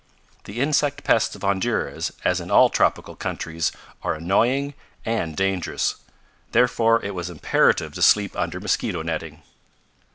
The insect pests of Honduras, as in all tropical countries, are annoying and dangerous. Therefore it was imperative to sleep under mosquito netting.